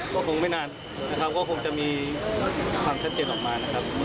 ก็คงไม่นานนะครับก็คงจะมีความชัดเจนออกมานะครับ